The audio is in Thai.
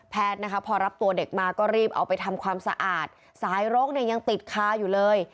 แพทย์พอรับตัวเด็กมาก็รีบเอาไปทำความสะอาดสายโรคยังติดค่าอยู่เลย